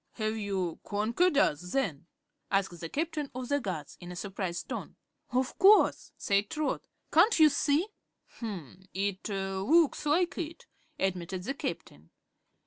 Have you conquered us, then?" asked the Captain of the Guards, in a surprised tone. "Of course," said Trot. "Can't you see?" "It looks like it," admitted the Captain.